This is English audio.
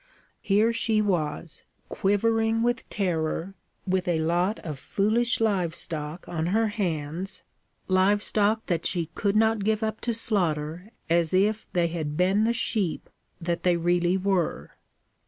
Here she was, quivering with terror, with a lot of foolish livestock on her hands livestock that she could not give up to slaughter as if they had been the sheep that they really were.